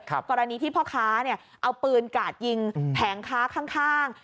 กรณีที่พ่อค้าเอาปืนกาดยิงแผงค้าข้าง